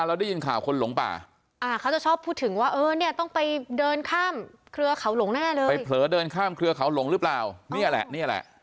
ก็มีอีกแล้วเหรอคะเวลาเราได้ยินข่าวคนหลงป่าอ่า